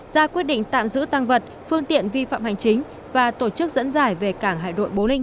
ra quyết định tạm giữ tăng vật phương tiện vi phạm hành chính và tổ chức dẫn giải về cảng hải đội bốn trăm linh một